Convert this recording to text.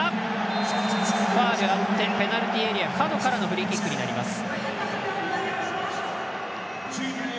ファウルあってペナルティーエリア角からのフリーキックになります。